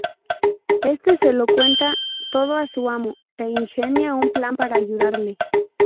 Este se lo cuenta todo a su amo e ingenia un plan para ayudarle.